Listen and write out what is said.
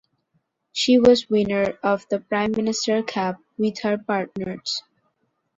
She was winner of the Prime Minister Cup with her partners.